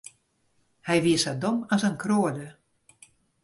Hy wie sa dom as in kroade.